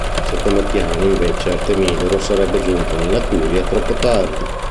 Secondo Appiano invece, Artemidoro sarebbe giunto nella curia troppo tardi.